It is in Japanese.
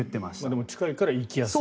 でも近いから行きやすい。